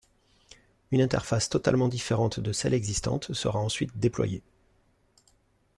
Une interface totalement différente de celle existante sera ensuite déployée.